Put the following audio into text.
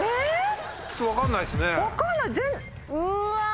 ちょっと分かんないっすね。